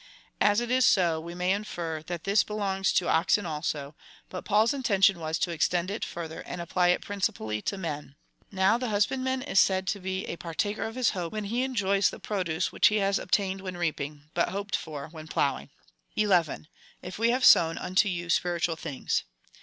As it is so, we may infer, that this belongs to oxen also, but Paul's intention was to extend it farther, and apply it principally to men. Now, the husband man is said to be a partaker of his hope, when he enjoys the produce which he has obtained when reaping, but hoped for when plowing. 11. If we have sown unto you spiritual things.